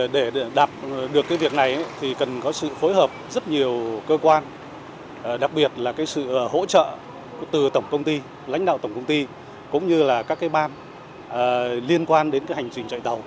để đạt được việc này thì cần có sự phối hợp rất nhiều cơ quan đặc biệt là sự hỗ trợ từ tổng công ty lãnh đạo tổng công ty cũng như là các ban liên quan đến hành trình chạy tàu